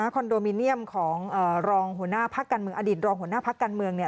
คอนโดมิเนียมของรองหัวหน้าพักการเมืองอดีตรองหัวหน้าพักการเมือง